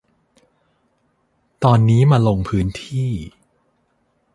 ตอนนี้มาลงพื้นที่